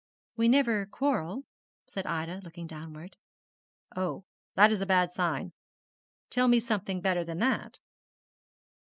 'We never quarrel,' said Ida, looking downward. 'Oh, that is a bad sign. Tell me something better than that.'